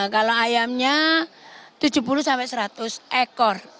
kalau ayamnya tujuh puluh sampai seratus ekor